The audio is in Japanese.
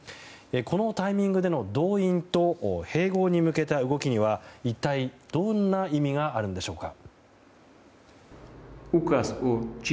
このタイミングでの動員と併合に向けた動きには一体どんな意味があるんでしょうか。